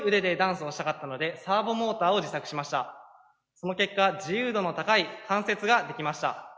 その結果自由度の高い関節が出来ました。